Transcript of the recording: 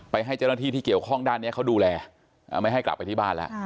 ให้เจ้าหน้าที่ที่เกี่ยวข้องด้านนี้เขาดูแลไม่ให้กลับไปที่บ้านแล้ว